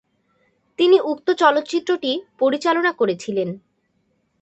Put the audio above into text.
তিনি উক্ত চলচ্চিত্রটি পরিচালনা করছিলেন।